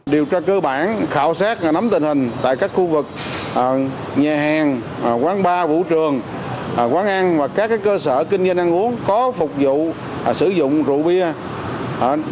điều tra cơ bản khảo sát nắm tình hình tại các khu vực nhà hàng quán bar vũ trường quán ăn và các cơ sở kinh doanh ăn uống có phục vụ sử dụng rượu bia